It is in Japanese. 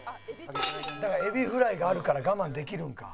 だからエビフライがあるから我慢できるんか。